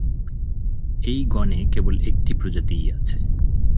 এই গণে কেবল একটি প্রজাতিই আছে।